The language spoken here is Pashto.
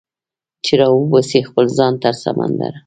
چې راوباسي خپل ځان تر سمندره